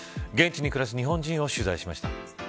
現地に暮らす日本人を取材しました。